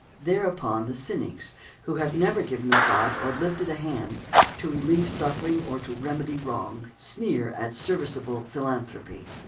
Thereupon the cynics, who have never given a thought or lifted a hand to relieve suffering or to remedy wrong, sneer at superserviceable philanthropy.